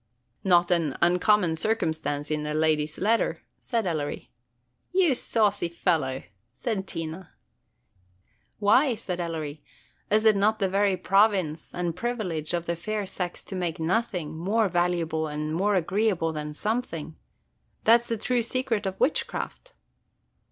"Not an uncommon circumstance in a lady's letter," said Ellery. "You saucy fellow!" said Tina. "Why," said Ellery, "is it not the very province and privilege of the fair sex to make nothing more valuable and more agreeable than something? that 's the true secret of witchcraft."